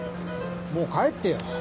もう帰ってよ。